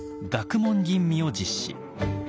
「学問吟味」を実施。